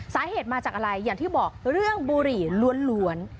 สาเหตุมาจากอะไรอย่างที่บอกเรื่องบุหรี่ล้วน